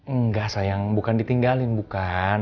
enggak sayang bukan ditinggalin bukan